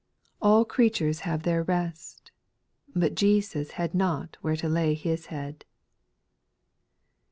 All creatures have their rest. But Jesus had not where to lay His head.